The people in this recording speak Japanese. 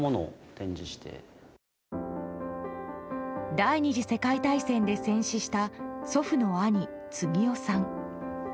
第２次世界大戦で戦死した祖父の兄・次男さん。